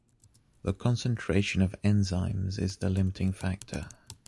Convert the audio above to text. The concentration of enzymes is a limiting factor.